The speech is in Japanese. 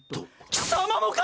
貴様もか！？